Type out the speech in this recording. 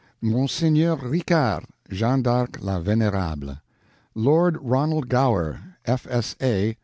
Monseigneur RICARD, Jeanne d'Arc la Venerable. Lord RONALD GOWER, F.S.A.